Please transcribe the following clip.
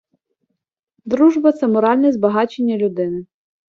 Дружба — це моральне збагачення людини.